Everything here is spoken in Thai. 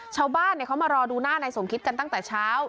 ชาวบ้านเขามารอดูหน้านายสมคิตกันตั้งแต่เช้า